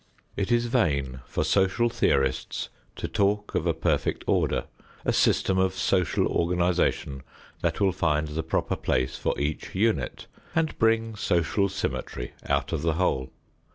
It is vain for social theorists to talk of a perfect order, a system of social organization that will find the proper place for each unit and bring social symmetry out of the whole.